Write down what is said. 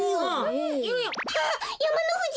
あっやまのふじ！